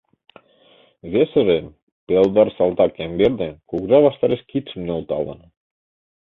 Весыже — пелодар салтак Ямберде — Кугыжа ваштареш кидшым нӧлталын.